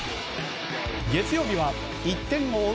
月曜日は１点を追う